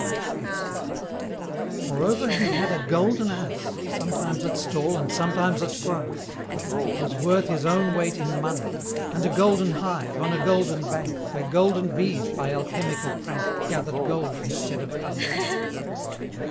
VIII. Moreover, he had a Golden Ass, Sometimes at stall, and sometimes at grass, That was worth his own weight in money And a golden hive, on a Golden Bank, Where golden bees, by alchemical prank, Gather'd gold instead of honey.